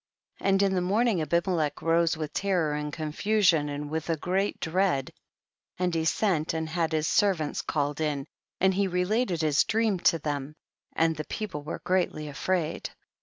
18. And in the morning Abime lech rose with terror and confusion and with a great dread, and he sent and had his servants called in, and he related his dream to them, and the people were greatly afraid.